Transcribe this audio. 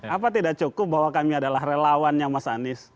apa tidak cukup bahwa kami adalah relawannya mas anies